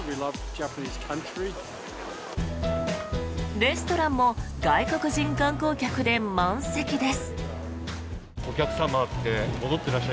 レストランも外国人観光客で満席です。